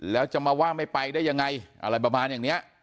แล้วจะมาว่าไม่ไปได้ยังไงอะไรประมาณอย่างนี้